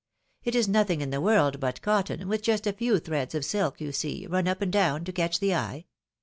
It is nothing in the world but cotton, with just a few threads of sSk, you see, run up and down, to catch the eye.